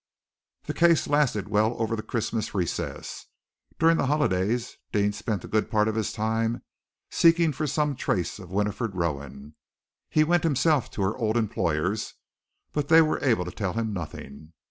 The case lasted well over the Christmas recess. During the holidays, Deane spent a good part of his time seeking for some trace of Winifred Rowan. He went himself to her old employers, but they were able to tell him nothing.